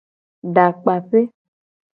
Dakpape.